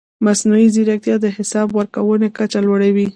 مصنوعي ځیرکتیا د حساب ورکونې کچه لوړوي.